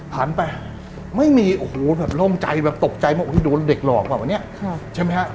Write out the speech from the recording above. ผ่านไปไม่มีโล่งใจตกใจจะดูลเด็กหลอกเหมือนแบบอีก